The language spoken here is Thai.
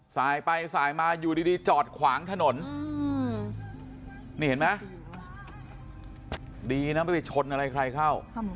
สายไปสายมาอยู่ดีจอดขวางถนนนี่เห็นไหมดีนะไม่ไปชนอะไรใครเข้า